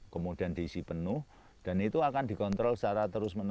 kemudian diisi penuh dan itu akan dikontrol secara terus menerus